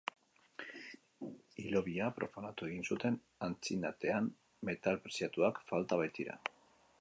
Hilobia profanatu egin zuten antzinatean, metal preziatuak falta baitira.